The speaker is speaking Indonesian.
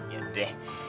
ya udah deh